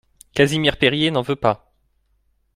Casimir Perier n'en veut pas!